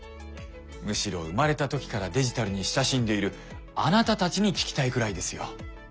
むしろ生まれた時からデジタルに親しんでいるあなたたちに聞きたいくらいですよ。